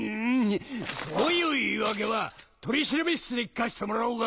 そういう言い訳は取調室で聞かせてもらおうか！